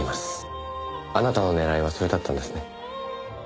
あなたの狙いはそれだったんですね？